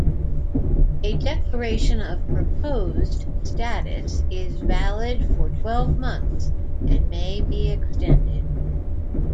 A Declaration of "proposed" status is valid for twelve months and may be extended.